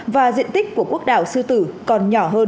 và diện tích của quốc đảo sư tử còn nhỏ hơn rất nhiều lần